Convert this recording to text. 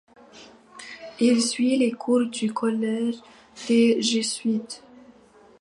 Il suit les cours du collège des Jésuites.